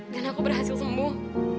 dan aku berhasil sembuh